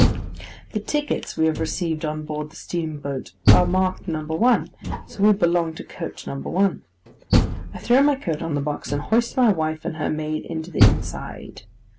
The tickets we have received on board the steamboat are marked No. 1, so we belong to coach No. 1. I throw my coat on the box, and hoist my wife and her maid into the inside.